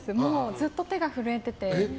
ずっと手が震えてて。